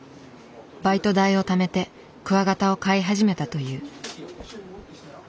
バイト代をためてクワガタを飼い始めたという。